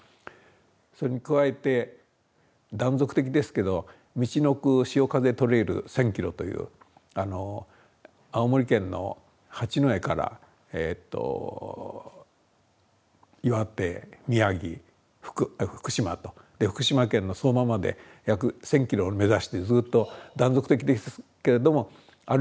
それに加えて断続的ですけど「みちのく潮風トレイル」１，０００キロという青森県の八戸から岩手宮城福島と福島県の相馬まで約１，０００キロを目指してずっと断続的ですけれども歩いて下りてきました。